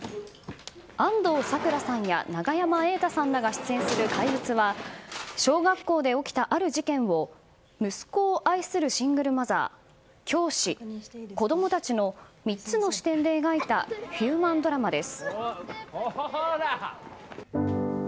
安藤サクラさんや永山瑛太さんらが出演する「怪物」は小学校で起きたある事件を息子を愛するシングルマザー教師、子供たちの３つの視点で描いたヒューマンドラマです。